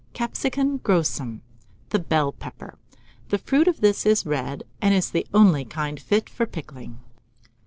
Capsicum grossum, the bell pepper: the fruit of this is red, and is the only kind fit for pickling.